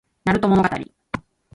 なると物語